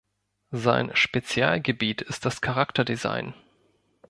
Sein Spezialgebiet ist das Charakterdesign.